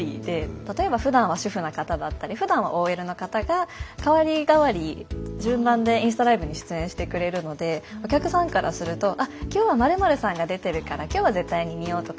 例えばふだんは主婦の方だったりふだんはＯＬの方が代わり代わり順番でインスタライブに出演してくれるのでお客さんからするとあ今日は○○さんが出てるから今日は絶対に見ようとか。